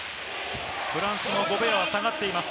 フランスのゴベアは下がっています。